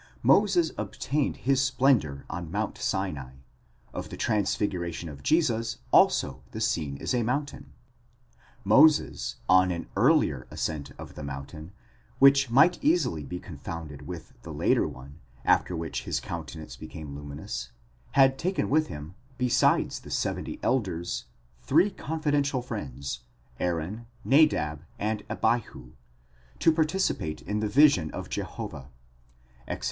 Moses obtained his splendour on Mount Sinai: of the transfiguration of Jesus also the scene is a mountain ; Moses, on an earlier ascent of the mountain, which might easily be confounded with the later one, after which his coun tenance became luminous, had taken with him, besides the seventy elders, three confidential friends, Aaron, Nadab, and Abihu, to participate in the vision of Jehovah (Exod.